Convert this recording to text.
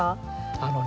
あのね